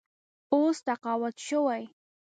اوس تقاعد شوی.